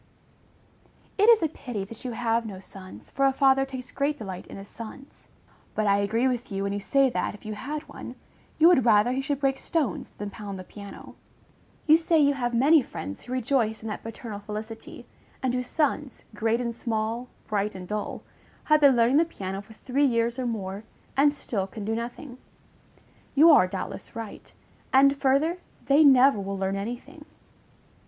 _ It is a pity that you have no sons, for a father takes great delight in his sons; but I agree with you, when you say that, if you had one, you would rather he should break stones than pound the piano. You say you have many friends who rejoice in that paternal felicity, and whose sons, great and small, bright and dull, have been learning the piano for three years or more, and still can do nothing. You are doubtless right; and, further, they never will learn any thing.